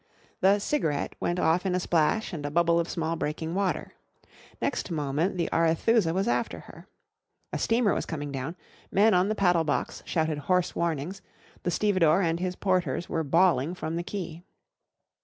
The Cigarette went off in a splash and a bubble of small breaking water. Next moment the Arethusa was after her. A steamer was coming down, men on the paddle box shouted hoarse warnings, the stevedore and his porters were bawling from the quay.